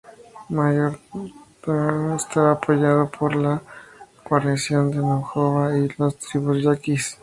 Maytorena estaba apoyado por la guarnición de Navojoa y las tribus yaquis.